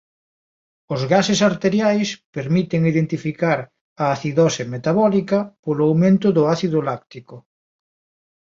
Os gases arteriais permiten identificar a acidose metabólica polo aumento do ácido láctico.